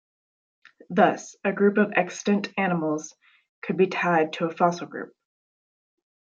Thus, a group of extant animals could be tied to a fossil group.